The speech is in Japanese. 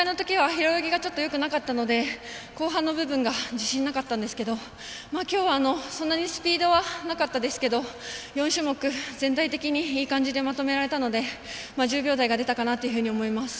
平泳ぎがよくなかったので後半の部分が自信なかったんですけどきょうは、そんなにスピードはなかったですけど４種目、全体的にいい感じでまとめられたので１０秒台が出たかなと思います。